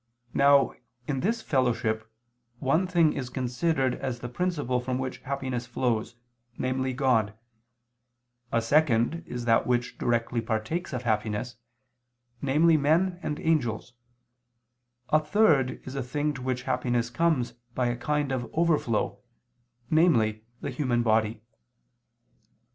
Now, in this fellowship, one thing is considered as the principle from which happiness flows, namely God; a second is that which directly partakes of happiness, namely men and angels; a third is a thing to which happiness comes by a kind of overflow, namely the human body.